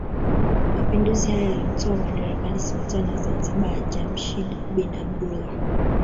Mapinduzi hayo yaliyomtoa madarakani sultani wa Zanzibar Jamshid bin Abdullah